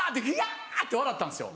「わぁ！」って笑ったんですよ。